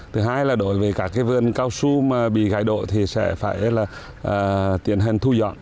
thứ hai là đối với các vườn cao su mà bị gãy đổ thì sẽ phải là tiến hành thu dọn